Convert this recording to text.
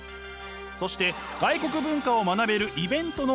そして外国文化を学べるイベントの開催。